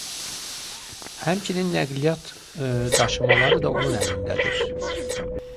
Həmçinin nəqliyyat daşımaları da onun əlindədir.